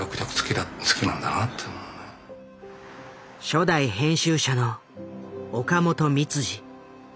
初代編集者の岡本三司。